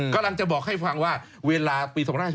กำลังจะบอกให้พระฝางว่าเวลาปี๒๕๕๙